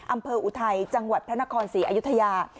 อุทัยจังหวัดพระนครศรีอยุธยา